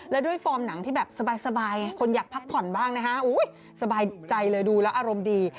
แล้วด้วยฟอร์มหนังที่แบบสบายคนอยากพักผ่อนบ้างนะฮะสบายใจเลยดูแล้วอารมณ์ดี